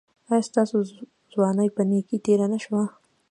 ایا ستاسو ځواني په نیکۍ تیره نه شوه؟